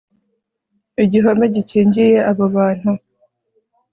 igihome gikingiye abo bantu